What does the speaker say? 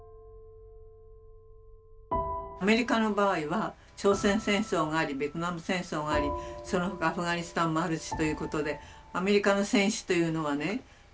アメリカの場合は朝鮮戦争がありベトナム戦争がありその他アフガニスタンもあるしということでアメリカの戦死というのはね